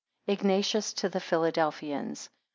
IGNATIUS TO THE PHILADELPHIANS.